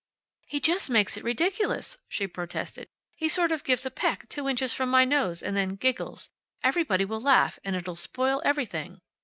"He just makes it ridiculous," she protested. "He sort of gives a peck two inches from my nose, and then giggles. Everybody will laugh, and it'll spoil everything."